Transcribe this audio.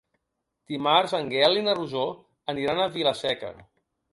Dimarts en Gaël i na Rosó aniran a Vila-seca.